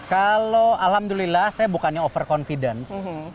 kalau alhamdulillah saya bukannya over confidence